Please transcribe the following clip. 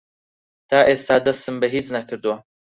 تا ئێستا دەستم بە هیچ نەکردووە.